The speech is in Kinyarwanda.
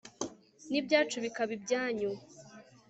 n'ibyacu bikaba ibyanyu